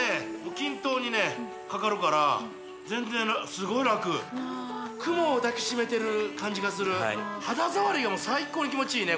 均等にねかかるから全然すごい楽感じがする肌触りがもう最高に気持ちいいね